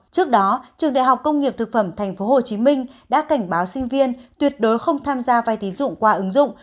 trước đó trường đại học công nghiệp thực phẩm tp hcm đã cảnh báo sinh viên tuyệt đối không tham gia vay tín dụng qua ứng dụng